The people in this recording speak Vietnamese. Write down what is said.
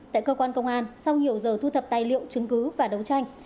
tại cơ quan công an sau nhiều giờ thu thập tài liệu chứng cứ và đấu tranh